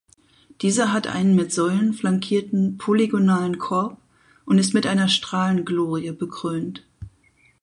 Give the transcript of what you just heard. Dieser hat einen mit Säulen flankierten polygonalen Korb und ist mit einer Strahlenglorie bekrönt.